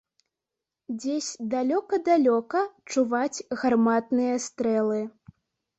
Дзесь далёка-далёка чуваць гарматныя стрэлы.